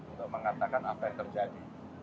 untuk mengatakan apa yang terjadi